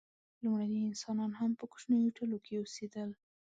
لومړني انسانان هم په کوچنیو ډلو کې اوسېدل.